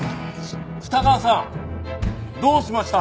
二川さんどうしました？